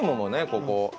ここ。